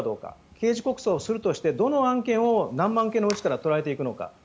刑事告訴をするとしてどの案件を何万件のうちから捉えていくのか。